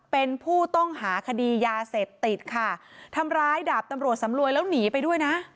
เป็นผู้ต้องหาคดียาเสพติดค่ะทำร้ายดาบตำรวจสำรวยแล้วหนีไปด้วยนะ